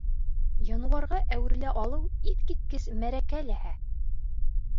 Януарға әүерелә алыу иҫ киткес мәрәкә ләһә!